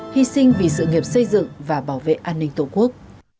hy sinh vì sự nghiệp xây dựng và bảo vệ an ninh tổ quốc